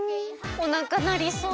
おなかなりそう！